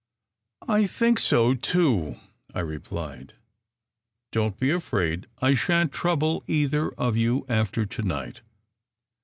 "I think so, too," I replied. "Don t be afraid. I shan t trouble either of you after to night.